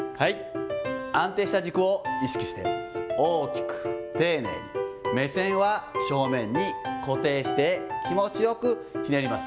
安定した軸を意識して、大きく、丁寧に、目線は正面に固定して気持ちよくひねります。